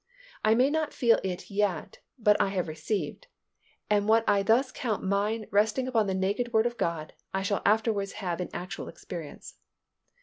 I may not feel it yet but I have received, and what I thus count mine resting upon the naked word of God, I shall afterwards have in actual experience.